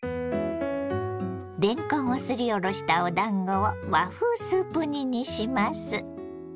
れんこんをすりおろしたおだんごを和風スープ煮にします。